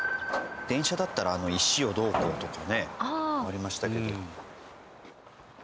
電車だったら石をどうこうとかねありましたけど。